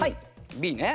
Ｂね？